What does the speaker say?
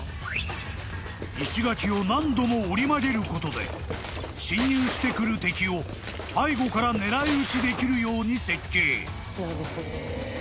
［石垣を何度も折り曲げることで侵入してくる敵を背後から狙い撃ちできるように設計］